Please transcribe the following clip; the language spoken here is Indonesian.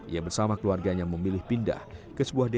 ia bersama keluarganya memilih pindah ke sebuah desa